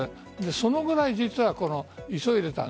そのくらい実は急いでいた。